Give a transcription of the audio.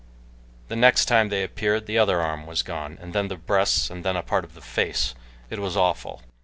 The next time they appeared the other arm was gone, and then the breasts, and then a part of the face it was awful.